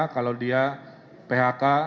kalau dia phk